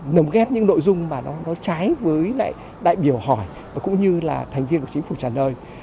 nồng ghép những nội dung mà nó trái với lại đại biểu hỏi cũng như là thành viên của chính phủ trả lời